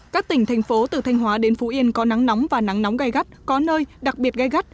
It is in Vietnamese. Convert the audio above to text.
các tỉnh thành phố từ thanh hóa đến phú yên có nắng nóng và nắng nóng gai gắt có nơi đặc biệt gai gắt